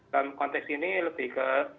dalam konteks ini lebih ke